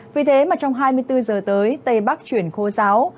vì thế mà trong hai mươi bốn giờ tới tây bắc chuyển khô giáo